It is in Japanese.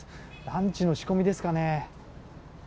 ランチの仕込みですかね。